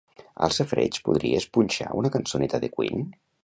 Al safareig podries punxar una cançoneta de Queen?